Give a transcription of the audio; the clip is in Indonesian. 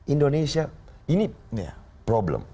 indonesia ini problem